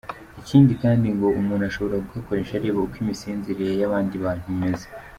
Ikindi kandi ngo umuntu ashobora kugakoresha areba uko imisinzirire y’abandi bantu imeze.